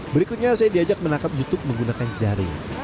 berikutnya saya diajak menangkap youtube menggunakan jaring